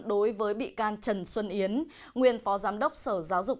đối với bị can trần xuân yến nguyên phó giám đốc sở giáo dục